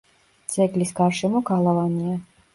ძეგლის გარშემო გალავანია.